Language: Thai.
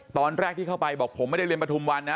ตอนแรกที่เข้าไปบอกผมไม่ได้เรียนประทุมวันนะ